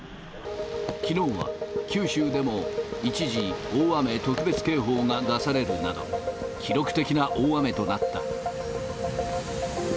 きのうは九州でも、一時大雨特別警報が出されるなど、記録的な大雨となった。